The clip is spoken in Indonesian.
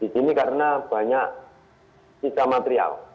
di sini karena banyak sisa material